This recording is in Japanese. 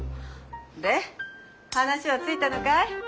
で話はついたのかい？